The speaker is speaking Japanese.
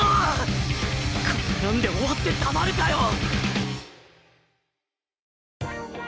こんなんで終わってたまるかよ！